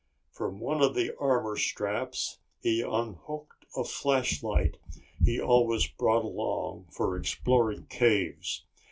From one of the armor straps he unhooked a flashlight he always brought along for exploring caves.